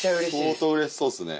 相当うれしそうですね。